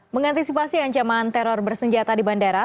mengantisipasi ancaman teror bersenjata di bandara